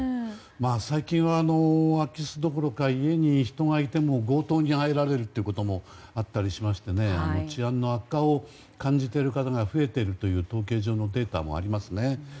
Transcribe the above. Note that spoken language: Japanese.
最近は空き巣どころか家に人がいても強盗に入られるということもあったりしまして治安の悪化を感じている方が増えているという統計上のデータもありますね。